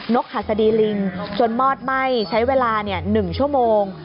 กหัสดีลิงจนมอดไหม้ใช้เวลา๑ชั่วโมง